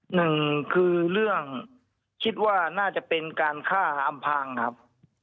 หนึ่งคือเรื่องคิดว่าน่าจะเป็นการฆ่าอำพางครับ